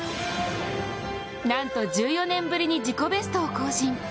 なんと１４年ぶりに自己ベストを更新。